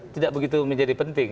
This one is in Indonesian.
tidak begitu menjadi penting